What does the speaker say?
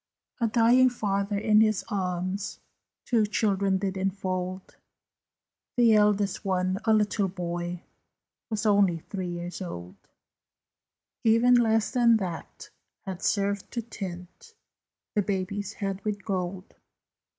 A dying father in his arms Two children did enfold. The eldest one, a little boy, Was only three years old; Even less than that had served to tint The baby's head with gold.